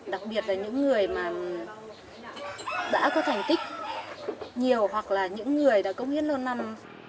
đặc biệt là những người mà đã có thành tích nhiều hoặc là những người đã cống hiến lâu năm